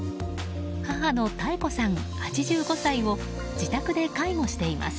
母の妙子さん、８５歳を自宅で介護しています。